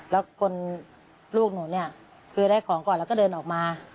แล้วคนลูกหนูเนี่ยคือได้ของก่อนแล้วก็เดินออกมา